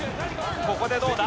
ここでどうだ？